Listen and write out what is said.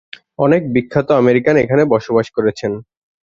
অনেক বিখ্যাত আমেরিকান এখানে বসবাস করেছেন।